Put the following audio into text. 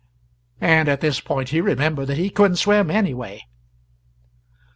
And at this point he remembered that he couldn't swim anyway.